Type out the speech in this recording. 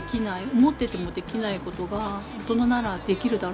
思っててもできないことが大人ならできるだろっていう。